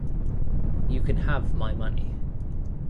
You can have my money.